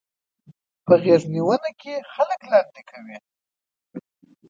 په غېږنيونه کې خلک لاندې کوي.